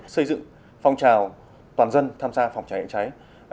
xây dựng phong trào toàn dân tham gia phòng cháy cháy